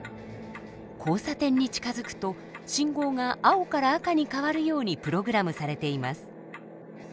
交差点に近づくと信号が青から赤に変わるようにプログラムされています。